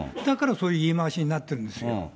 だからそういう言い回しになってるんですよ。